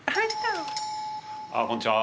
こんにちは。